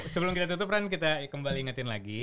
sebelum kita tutup ran kita kembali ingetin lagi